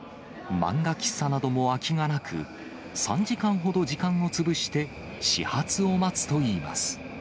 漫画喫茶なども空きがなく、３時間ほど時間を潰して、始発を待つといいます。